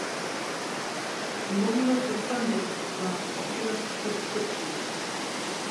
The monument was funded via popular subscription.